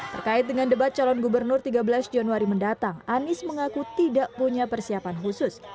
terkait dengan debat calon gubernur tiga belas januari mendatang anies mengaku tidak punya persiapan khusus